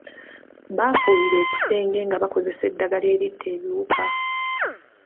Baafuuyira ekisenge nga bakozesa eddagala eritta ebiwuka.